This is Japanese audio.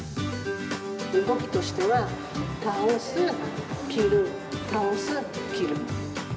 動きとしては倒す、切る倒す、切る。